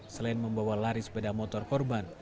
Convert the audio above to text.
selain membawa lari sepeda motor korban